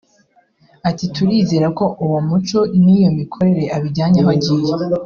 Ati “Turizera ko uwo muco niyo mikorere abijyanye aho agiye